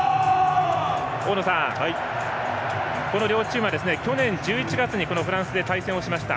大野さん、この両チームは去年１１月にフランスで対戦しました。